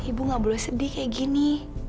ibu gak boleh sedih kayak gini